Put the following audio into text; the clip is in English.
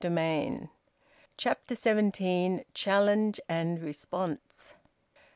VOLUME TWO, CHAPTER SEVENTEEN. CHALLENGE AND RESPONSE.